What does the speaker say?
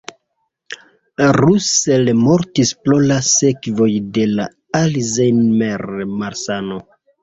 Russell mortis pro la sekvoj de la Alzheimer-malsano.